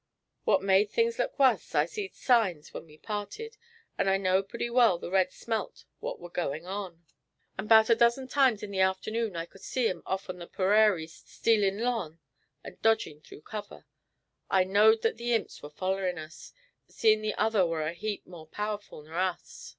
What made things look wuss, I seed 'signs' when we parted, and I knowed purty well the reds smelt what war goin' on. And 'bout a dozen times in the afternoon I could see 'em off on the perarie stealin' long and dodgin' through cover. I knowed that the imps were follerin' us, seein' the other war a heap more powerful nor us.